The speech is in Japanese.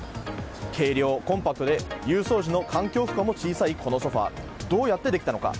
軽量、コンパクトで輸送時の環境負荷も小さいこのソファどうやってできたのか？